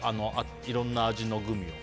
いろんな味のグミを。